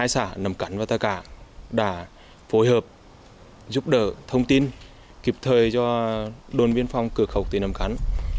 hai xã nằm cắn và tất cả đã phối hợp giúp đỡ thông tin kịp thời cho đồn biên phòng cửa khẩu tỉnh nằm cắn